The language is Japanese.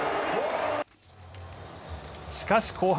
しかし、後半。